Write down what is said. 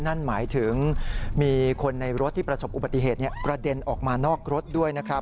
นั่นหมายถึงมีคนในรถที่ประสบอุบัติเหตุกระเด็นออกมานอกรถด้วยนะครับ